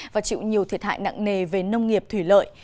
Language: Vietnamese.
và chịu nhiều thiệt hại nặng nề về nông nghiệp thủy lợi